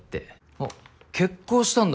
あっ決行したんだ